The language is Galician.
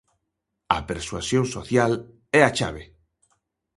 A persuasión social é a chave.